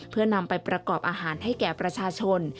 เพื่อนำไปประกอบอาหารให้แก่ประชาชน